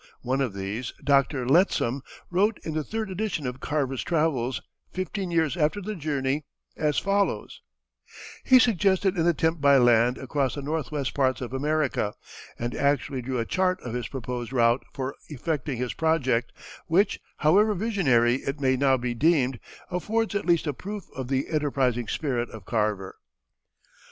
One of these, Dr. Lettsom, wrote in the third edition of Carver's travels, fifteen years after the journey, as follows: "He suggested an attempt by land across the northwest parts of America, and actually drew a chart of his proposed route for effecting his project, which, however visionary it may now be deemed, affords at least a proof of the enterprising spirit of Carver."